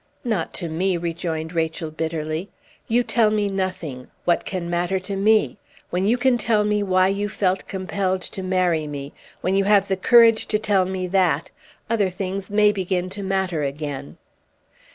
"Not to me," rejoined Rachel, bitterly. "You tell me nothing. What can matter to me? When you can tell me why you felt compelled to marry me when you have the courage to tell me that other things may begin to matter again!"